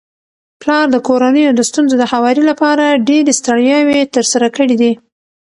پلار د کورنيو د ستونزو د هواري لپاره ډيري ستړياوي تر سره کړي دي